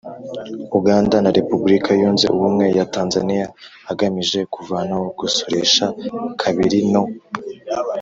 Uganda na Repubulika Yunze Ubumwe ya Tanzaniya agamije kuvanaho gusoresha kabiri no